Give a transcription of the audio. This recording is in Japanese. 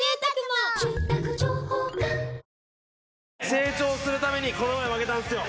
成長するためにこの前負けたんすよ。